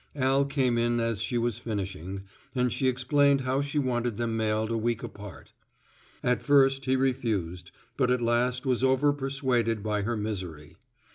Al came in as she was finishing, and she explained how she wanted them mailed a week apart. At first he refused, but at last was over persuaded by her misery.